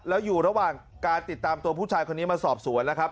แล้วอยู่ระหว่างการติดตามตัวผู้ชายคนนี้มาสอบสวนนะครับ